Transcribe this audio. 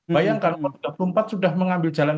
bayangkan dua puluh empat sudah mengambil jalan